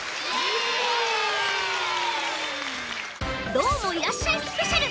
「どーもいらっしゃい！スペシャル」。